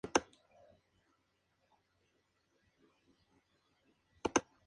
Fue uno de los programas pioneros y más recordados del canal.